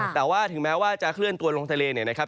แต่ว่าถึงแม้ว่าจะเคลื่อนตัวลงทะเลเนี่ยนะครับ